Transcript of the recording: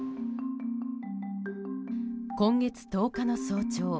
今月１０日の早朝。